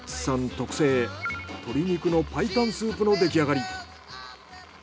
特製鶏肉の白湯スープの出来上がり。